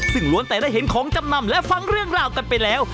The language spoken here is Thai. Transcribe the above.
ซึ่งล้วนแต่ได้เห็นของจำนำและฟังเรื่องราวกันไปแล้ว